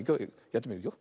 やってみるよ。